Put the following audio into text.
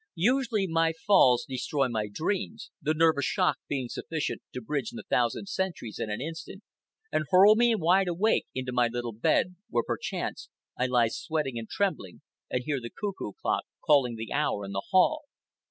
Usually, my falls destroy my dreams, the nervous shock being sufficient to bridge the thousand centuries in an instant and hurl me wide awake into my little bed, where, perchance, I lie sweating and trembling and hear the cuckoo clock calling the hour in the hall.